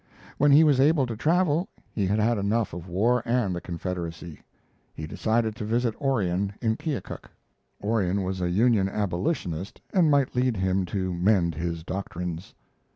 When he was able to travel, he had had enough of war and the Confederacy. He decided to visit Orion in Keokuk. Orion was a Union abolitionist and might lead him to mend his doctrines.